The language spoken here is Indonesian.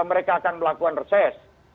mereka akan melakukan reses